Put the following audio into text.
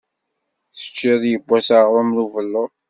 Teččiḍ yewwas aɣṛum n ubelluḍ?